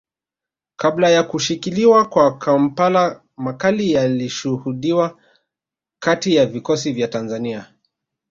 Kabla ya kushikiliwa kwa Kampala makali yalishuhudiwa kati ya vikosi vya Tanzania